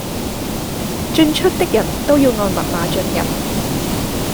進出的人都要按密碼進入